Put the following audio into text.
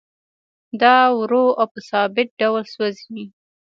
دا ورو او په ثابت ډول سوځي